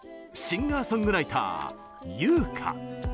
シンガーソングライター由薫。